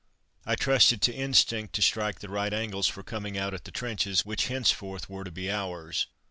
I trusted to instinct to strike the right angles for coming out at the trenches which henceforth were to be ours.